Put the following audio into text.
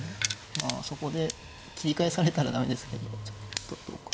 まあそこで切り返されたら駄目ですけどちょっとどうか。